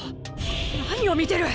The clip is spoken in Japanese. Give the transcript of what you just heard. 何を見てる！？